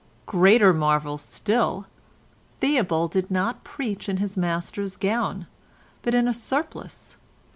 greater marvel still, Theobald did not preach in his Master's gown, but in a surplice.